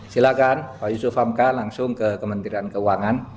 silakan pak yusuf hamka langsung ke kementerian keuangan